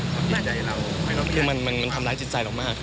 คือมันทำร้ายจิตใจเรามาก